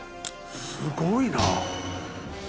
すごいな。